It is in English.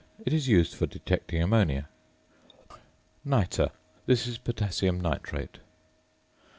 It is used for detecting ammonia. ~Nitre.~ This is potassium nitrate.